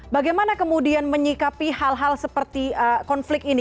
bagaimana kemudian menyikapi hal hal seperti konflik ini